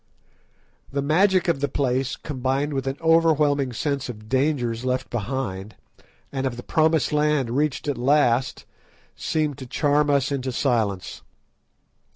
The magic of the place combined with an overwhelming sense of dangers left behind, and of the promised land reached at last, seemed to charm us into silence.